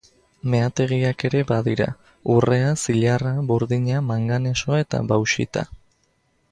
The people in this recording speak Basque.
Meategiak ere badira: urrea, zilarra, burdina, manganesoa eta bauxita.